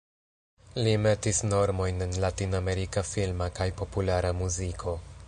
Li metis normojn en latinamerika filma kaj populara muziko.